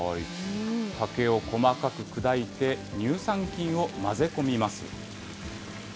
竹を細かく砕いて、乳酸菌を混ぜ込みます。